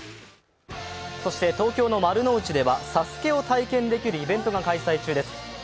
そして、東京の丸の内ではＳＡＳＵＫＥを体験できるイベントが開催中です。